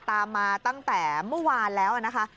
ตามมาตั้งแต่เมื่อวานแล้วนะคะ